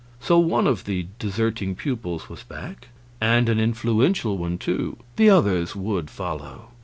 So one of the deserting pupils was back; and an influential one, too; the others would follow.